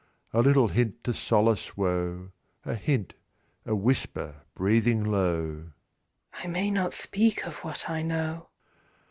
A little hint to solace woe, A hint, a whisper breathing low, "I may not speak of what I know".